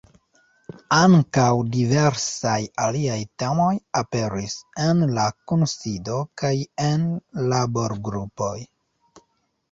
Ankaŭ diversaj aliaj temoj aperis en la kunsido kaj en laborgrupoj.